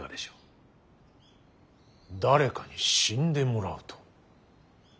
誰かに死んでもらうと。